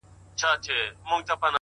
آخر به وار پر سینه ورکړي-